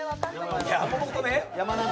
山本ね。